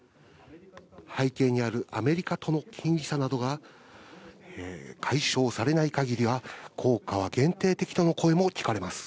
背景にあるアメリカとの金利差などが解消されない限りは、効果は限定的との声も聞かれます。